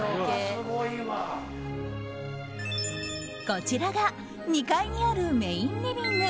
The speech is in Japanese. こちらが２階にあるメインリビング。